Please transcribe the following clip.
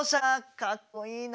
かっこいいな！